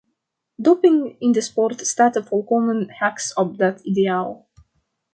Doping in de sport staat volkomen haaks op dat ideaal.